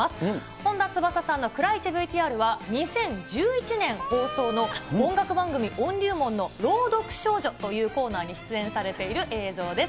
本田翼さんの蔵イチＶＴＲは、２０１１年放送の音楽番組、音龍門の朗読少女というコーナーに出演されている映像です。